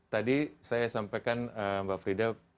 tadi saya sampaikan mbak frida